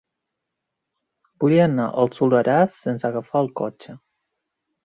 Vull anar al Soleràs sense agafar el cotxe.